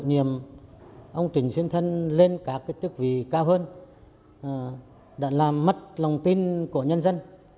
nhiệm ông trịnh xuân thanh lên các cái chức vị cao hơn đã làm mất lòng tin của nhân dân